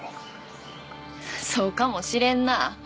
そうかもしれんな。